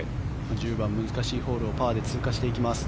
１０番、難しいホールをパーで通過していきます。